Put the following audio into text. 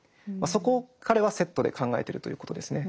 そこを彼はセットで考えてるということですね。